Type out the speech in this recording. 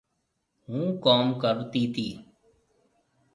هُوم ڪوم ڪرتي تي